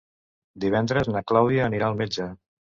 Divendres na Clàudia anirà al metge.